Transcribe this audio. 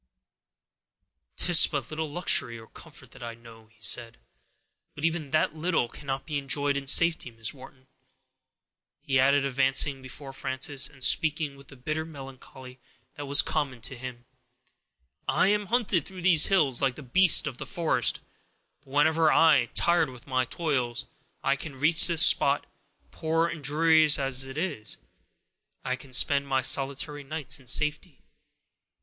"'Tis but little luxury or comfort that I know," he said, "but even that little cannot be enjoyed in safety! Miss Wharton," he added, advancing before Frances, and speaking with the bitter melancholy that was common to him, "I am hunted through these hills like a beast of the forest; but whenever, tired with my toils, I can reach this spot, poor and dreary as it is, I can spend my solitary nights in safety.